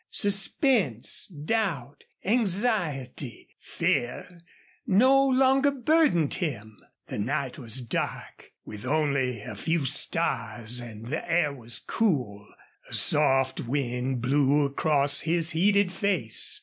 Suspense, doubt, anxiety, fear no longer burdened him. The night was dark, with only a few stars, and the air was cool. A soft wind blew across his heated face.